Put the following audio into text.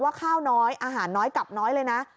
ข้าวน้อยอาหารน้อยกลับน้อยเลยนะ